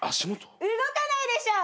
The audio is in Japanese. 動かないでしょう。